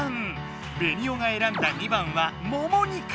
ベニオがえらんだ２番はもも肉。